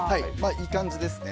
いい感じですね。